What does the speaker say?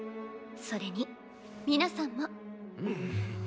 それに皆さんも。